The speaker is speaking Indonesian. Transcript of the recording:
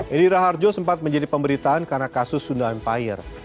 eddie raharjo sempat menjadi pemberitaan karena kasus sunda empire